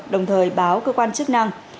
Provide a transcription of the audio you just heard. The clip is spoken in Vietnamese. đồng thời báo cơ quan chức năng